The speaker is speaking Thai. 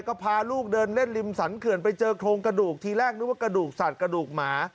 ก็พาลูกเดินเล่นริมสรรเขื่อนไปเจอโครงกระดูกทีแรกนึกว่ากระดูกสัตว์กระดูกหมา